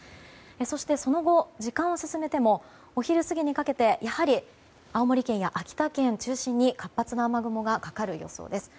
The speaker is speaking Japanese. そしてその後、時間を進めてもお昼過ぎにかけてやはり青森県や秋田県中心に活発な雨雲がかかる予想です。